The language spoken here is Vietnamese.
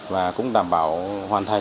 và cũng đảm bảo hoàn toàn